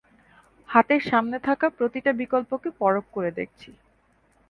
হাতের সামনে থাকা প্রতিটা বিকল্পকে পরখ করে দেখছি।